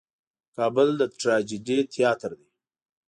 کابل د ټراجېډي تیاتر دی.